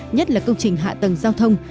nhất là công trình hạ tầng giao thông